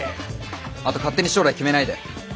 あと勝手に将来決めないで。